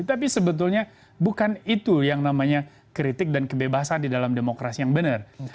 tapi sebetulnya bukan itu yang namanya kritik dan kebebasan di dalam demokrasi yang benar